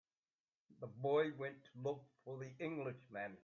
The boy went to look for the Englishman.